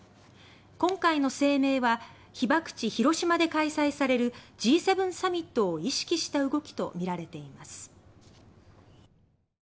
今回の声明は被爆地・広島で開催されるＧ７サミットを意識した動きとみられています。